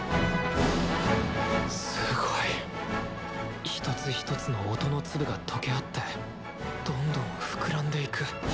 すごい！一つ一つの音の粒が溶け合ってどんどん膨らんでいく。